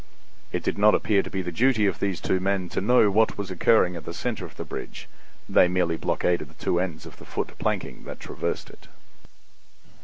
It did not appear to be the duty of these two men to know what was occurring at the center of the bridge; they merely blockaded the two ends of the foot planking that traversed it.